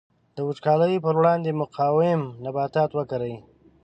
د وچکالۍ پر وړاندې مقاوم نباتات وکري.